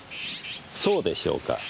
そうでしょうか？